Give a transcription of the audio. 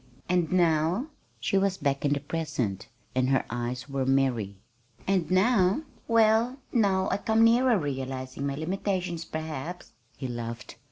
"And now?" She was back in the present, and her eyes were merry. "And now? Well, now I come nearer realizing my limitations, perhaps," he laughed.